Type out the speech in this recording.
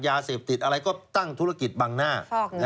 ยาเสพติดอะไรก็ตั้งธุรกิจบังหน้า